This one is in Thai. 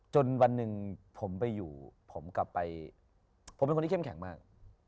จนวันหนึ่งผมไปอยู่ผมกลับไปผมเป็นคนที่เข้มแข็งมาก